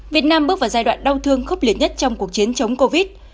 việt nam bước vào giai đoạn đau thương khốc liệt nhất trong cuộc chiến chống covid